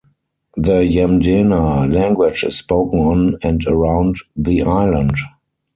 The Yamdena language is spoken on and around the island.